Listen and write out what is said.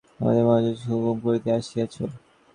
আমাদের মহারাজকে হুকুম করিতে আসিয়াছ!